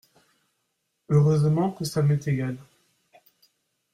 Heureusement que ça m'est égal.